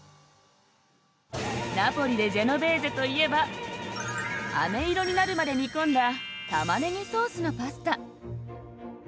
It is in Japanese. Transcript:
ナポリでジェノベーゼといえばあめ色になるまで煮込んだたまねぎソースのパスタ。